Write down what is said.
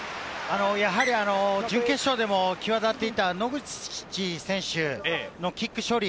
やはり準決勝でも際立っていた野口選手のキック処理。